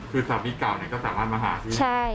คือสามีเก่าเนี่ยก็สามารถมาหาซื้อ